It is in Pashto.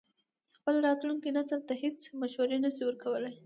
خپل راتلونکي نسل ته هېڅ مشورې نه شي ورکولای.